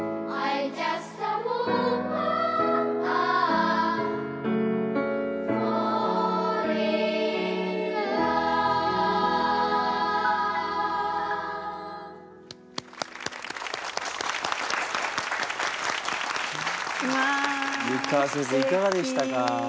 いかがでしたか？